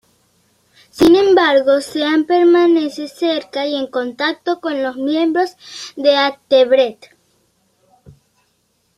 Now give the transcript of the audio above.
Sin embargo, Sean permanece cerca y en contacto con los miembros de Hatebreed.